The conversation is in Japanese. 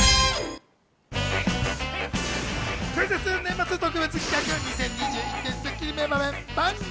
クイズッス年末特別企画、２０２１『スッキリ』名場面。